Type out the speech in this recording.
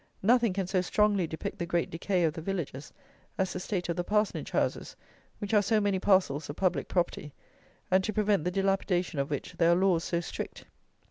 Nothing can so strongly depict the great decay of the villages as the state of the parsonage houses, which are so many parcels of public property, and to prevent the dilapidation of which there are laws so strict.